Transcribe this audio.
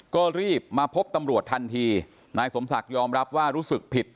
ก็รีบมาพบตำรวจทันทีนายสมศักดิ์ยอมรับว่ารู้สึกผิด